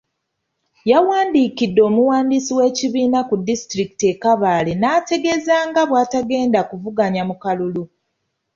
Yawandikidde Omuwandiisi w'ekibiina ku disitulikiti e Kabale n'ategeeza nga bw'atagenda kuvuganya mu kalulu.